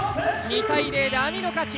２対０でＡＭＩの勝ち。